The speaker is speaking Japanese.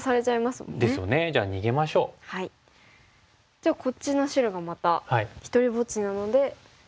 じゃあこっちの白がまた独りぼっちなので。